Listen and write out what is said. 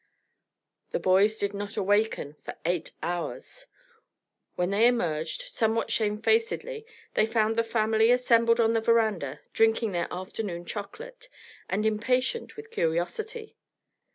The boys did not awaken for eight hours. When they emerged, somewhat shamefacedly, they found the family assembled on the verandah, drinking their afternoon chocolate, and impatient with curiosity.